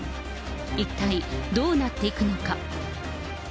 一体どうなっていくのか。